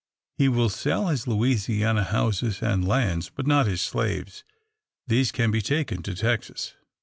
He will sell his Louisiana houses and lands, but not his slaves. These can be taken to Texas.